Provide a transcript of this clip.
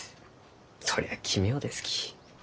そりゃあ奇妙ですき。